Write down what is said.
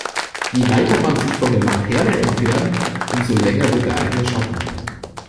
Je weiter man sich von der Laterne entfernt, umso länger wird der eigene Schatten.